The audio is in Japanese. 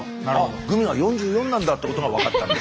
グミが４４なんだってことが分かったんです。